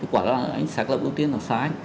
quả là anh xác lập ưu tiên là sai